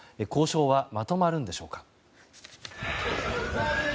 交渉はまとまるんでしょうか。